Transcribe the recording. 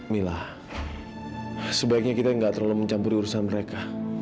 mila sebaiknya kita gak terlalu mencampuri urusan mereka